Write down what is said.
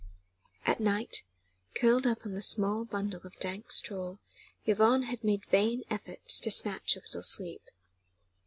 At night, curled up on a small bundle of dank straw Yvonne had made vain efforts to snatch a little sleep.